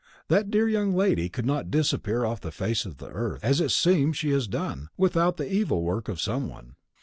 That dear young lady could not disappear off the face of the earth, as it seems she has done, without the evil work of some one.